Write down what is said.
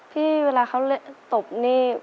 พี่เวลาเขาเละตบนี่